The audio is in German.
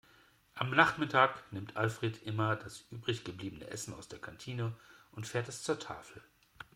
Am Nachmittag nimmt Alfred immer das übrig gebliebene Essen aus der Kantine und fährt es zur Tafel.